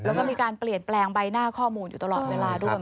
แล้วก็มีการเปลี่ยนแปลงใบหน้าข้อมูลอยู่ตลอดเวลาด้วย